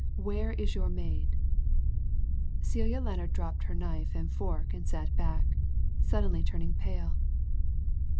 Where is your maid!" Celia Lennard dropped her knife and fork and sat back, suddenly turning pale.